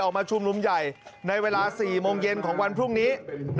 มาชุมนุมใหญ่ในเวลา๔โมงเย็นของวันพรุ่งนี้